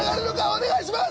お願いします